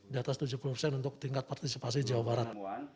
di atas tujuh puluh persen untuk tingkat partisipasi jawa barat